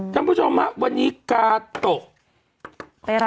ของผู้ชมวันนี้กาโตะ